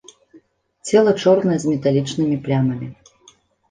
Цела чорнае з металічнымі плямамі.